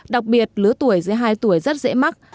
đặc biệt lứa tuổi dưới hai tuổi rất dễ mắc